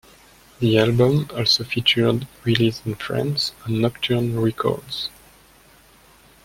The album also featured release in France on Nocturne Records.